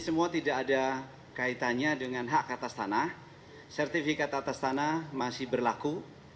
semua tidak ada kaitannya dengan hak atas tanah sertifikat atas tanah masih berlaku